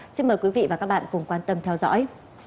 xin mời quý vị và các bạn cùng quan tâm theo dõi